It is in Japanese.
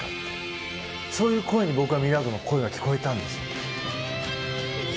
そういう声に僕はミラークの声が聞こえたんですよ。